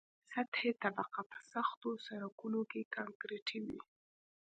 سطحي طبقه په سختو سرکونو کې کانکریټي وي